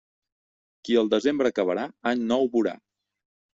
Qui el desembre acabarà, any nou vorà.